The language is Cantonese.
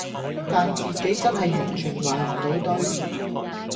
但自己真係完全埋唔到堆